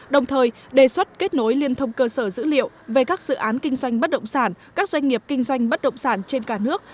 đồng thời đề xuất kết nối liên thông cơ sở dữ liệu về các dự án kinh doanh bất động sản các doanh nghiệp kinh doanh bất động sản trên cả nước